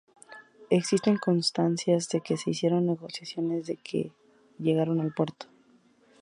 Existen constancias de que se hicieron negociaciones que nunca llegaron a puerto.